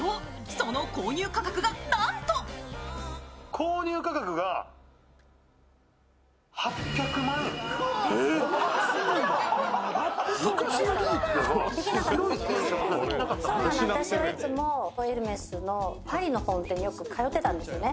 その購入価格がなんと独身の若いころからエルメスのパリの店によく通ってたんです。